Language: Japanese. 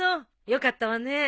よかったわね。